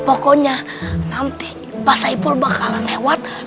pokoknya nanti pak saipul bakalan lewat